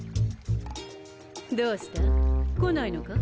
どうした？来ないのか？